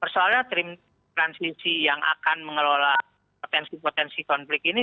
soalnya tim transisi yang akan mengelola potensi potensi konflik ini